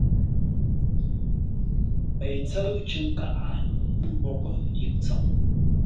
Pei tsə̂ʉ cər nkâʼ ə́ mboghʼə́ yʉʼ tsəm.